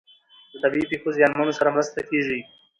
د طبیعي پیښو زیانمنو سره مرسته کیږي.